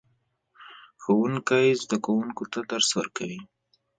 ښوونکی زده کوونکو ته درس ورکوي